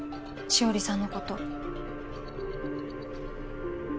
紫織さんのこと。